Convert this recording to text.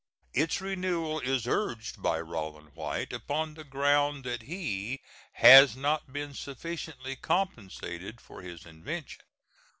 Its renewal is urged by Rollin White upon the ground that he has not been sufficiently compensated for his invention.